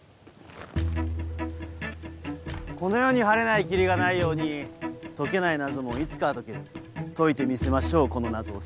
この世に晴れない霧がないように解けない謎もいつかは解ける解いてみせましょうこの謎を。